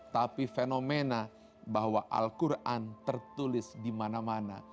tapi fenomena bahwa al quran tertulis di mana mana